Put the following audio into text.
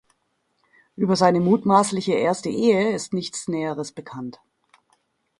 Über seine mutmaßliche erste Ehe ist nichts Näheres bekannt.